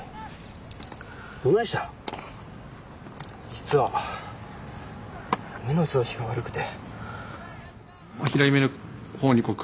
実は目の調子が悪くて。